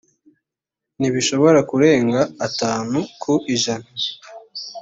ntibishobora kurenga atanu ku ijana